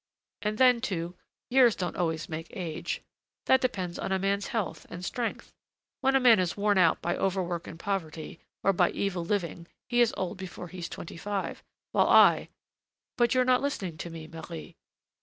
And then, too, years don't always make age. That depends on a man's health and strength. When a man is worn out by overwork and poverty, or by evil living, he is old before he's twenty five. While I But you're not listening to me, Marie."